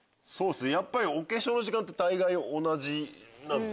やっぱりお化粧の時間って大概同じなんですもんね。